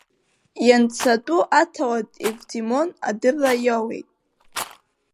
Ианцатәу аҭауад Евдемон адырра иоуеит.